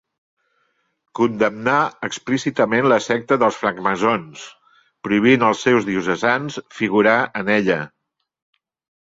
Condemnà explícitament la secta dels francmaçons, prohibint als seus diocesans figurar en ella.